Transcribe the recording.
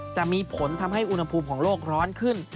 จะมีผลทำให้อุณหภูมิของโลกร้อนขึ้น